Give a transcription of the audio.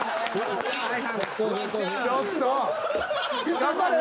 頑張れよ！